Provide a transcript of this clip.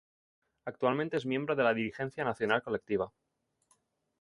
Actualmente es miembro de la dirigencia nacional colectiva.